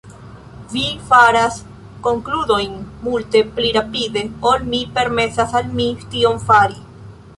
Vi faras konkludojn multe pli rapide ol mi permesas al mi tion fari.